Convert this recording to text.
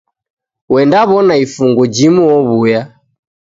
Uendaw'ona ifungu jimu owuya